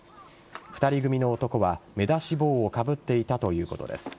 ２人組の男は目出し帽をかぶっていたということです。